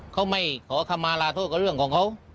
เขาไม่ขอคำมาลาโทษกับเรื่องของเขา